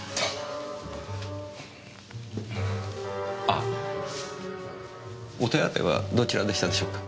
あお手洗いはどちらでしたでしょうか？